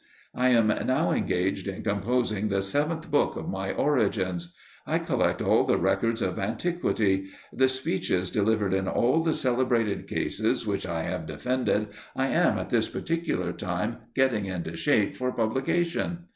I am now engaged in composing the seventh book of my Origins. I collect all the records of antiquity. The speeches delivered in all the celebrated cases which I have defended I am at this particular time getting into shape for publication.